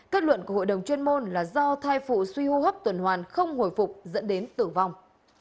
kết luận của hội đồng chuyên môn là do thai phụ suy hô hấp tuần hoàn không hồi phục dẫn đến tử vong